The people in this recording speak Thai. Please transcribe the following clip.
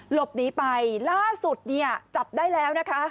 หลบหนีไปล่าสุดเนี่ยจับได้แล้วนะคะ